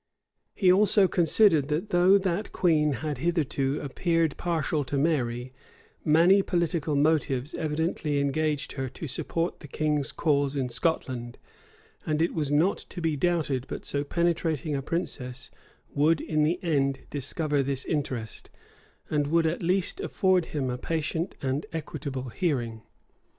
He also considered, that though that queen had hitherto appeared partial to Mary, many political motives evidently engaged her to support the king's cause in Scotland; and it was not to be doubted but so penetrating a princess would in the end discover this interest, and would at least afford him a patient and equitable hearing.